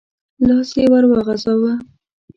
لاس يې ور وغځاوه.